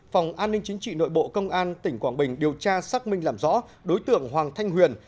phòng an ninh chính trị nội bộ công an tỉnh quảng bình điều tra xác minh làm rõ đối tượng hoàng thanh huyền